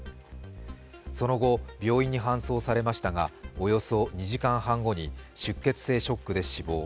その後、病院に搬送されましたがおよそ２時間半後に出血性ショックで死亡。